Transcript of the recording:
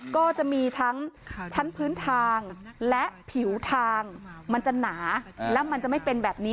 ก็จะมีทั้งชั้นพื้นทางและผิวทางมันจะหนาและมันจะไม่เป็นแบบนี้